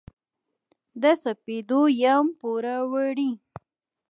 د سپېدو یم پوروړي